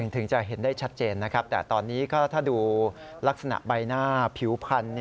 ถึงจะเห็นได้ชัดเจนนะครับแต่ตอนนี้ก็ถ้าดูลักษณะใบหน้าผิวพัน